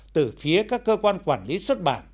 từ phía các cơ quan quản lý xuất bản